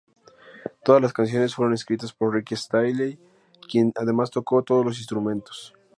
Todas las canciones fueron escritas por Rick Astley, quien además tocó todos los instrumentos.